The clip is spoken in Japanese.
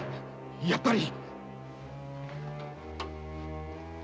やっぱり！